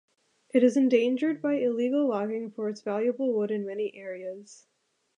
It is endangered by illegal logging for its valuable wood in many areas.